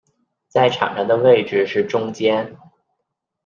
在场上的位置是中坚。